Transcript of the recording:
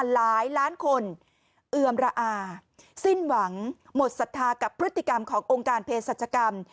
หลายล้านคนเอือมระอาสิ้นหวังหมดศรัทธากับพฤติกรรมขององค์การเพศรัชกรรม